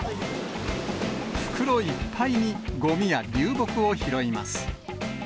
袋いっぱいにごみや流木を拾います。